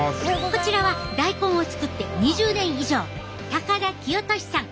こちらは大根を作って２０年以上高田清俊さん。